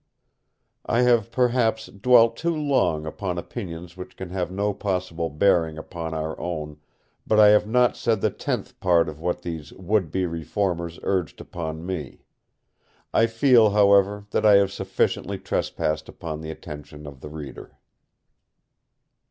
I have perhaps dwelt too long upon opinions which can have no possible bearing upon our own, but I have not said the tenth part of what these would be reformers urged upon me. I feel, however, that I have sufficiently trespassed upon the attention of the reader.